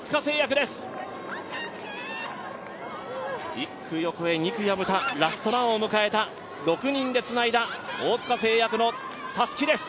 １区、横江、２区、藪田がラストランの６人でつないだ大塚製薬のたすきです。